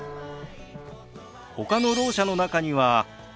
ほかのろう者の中には。